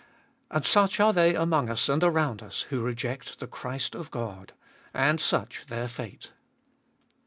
And such are they among us and around us who reject the Christ of God! And such their fate!